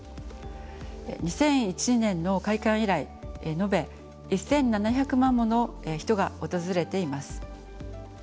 ２００１年の開館以来延べ１，７００万もの人が訪れています。